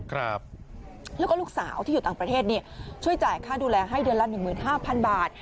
ครับแล้วก็ลูกสาวที่อยู่ต่างประเทศเนี่ยช่วยจ่ายค่าดูแลให้เดือนละหนึ่งหมื่นห้าพันบาท